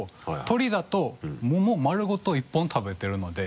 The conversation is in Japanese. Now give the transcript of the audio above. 鶏だとモモ丸ごと１本食べてるので。